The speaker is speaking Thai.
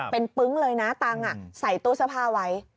เป็นปึ๊งเลยนะตังค์ใส่ตู้เสื้อผ้าไว้